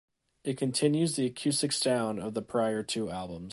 It continues the acoustic sound of the prior two albums.